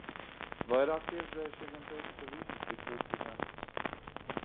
Vairāk pieredzējušie gan teica, ka visas tiks likvidētas.